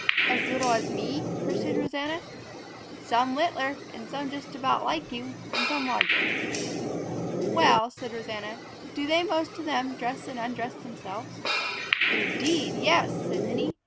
"As little as me?" pursued Rosanna. "Some littler, and some just about like you, and some larger." "Well," said Rosanna, "do they most of them dress and undress themselves?" "Indeed yes!" said Minnie.